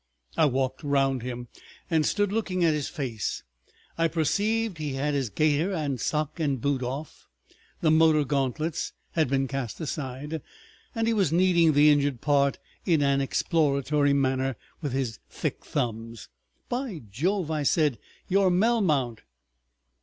I walked round him and stood looking at his face. I perceived he had his gaiter and sock and boot off, the motor gauntlets had been cast aside, and he was kneading the injured part in an exploratory manner with his thick thumbs. "By Jove!" I said, "you're Melmount!"